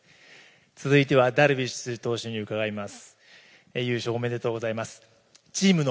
続いてはダルビッシュ投手に伺います。